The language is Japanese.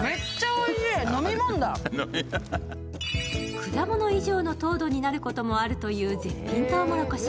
果物以上の糖度になることもあるという絶品とうもろこし。